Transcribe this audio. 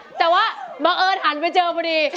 ขอโทษขอโทษแต่ว่ามาเอิ้นหันไปเจอพอดี